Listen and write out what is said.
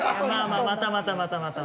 またまたまたまた。